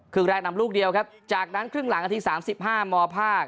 ครึ่งแรกนำลูกเดียวครับจากนั้นครึ่งหลังนาที๓๕มภาค